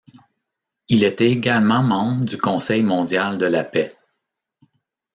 Il était également membre du Conseil mondial de la paix.